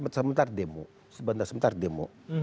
sebentar sebentar demo sebentar sebentar demo